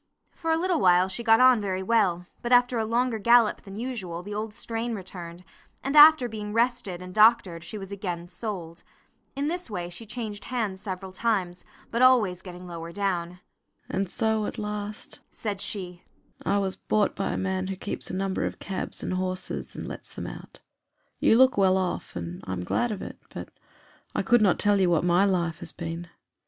For a little while she got on very well, but after a longer gallop than usual the old strain returned, and after being rested and doctored she was again sold. In this way she changed hands several times, but always getting lower down. "And so at last," said she, "I was bought by a man who keeps a number of cabs and horses, and lets them out. You look well off, and I am glad of it, but I could not tell you what my life has been.